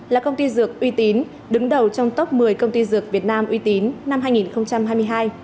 là công ty dược uy tín đứng đầu trong top một mươi công ty dược việt nam uy tín năm hai nghìn hai mươi hai